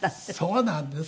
そうなんです。